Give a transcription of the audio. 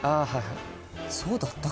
そうだったかな？